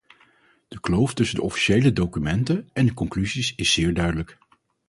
De kloof tussen de officiële documenten en de conclusies is zeer duidelijk.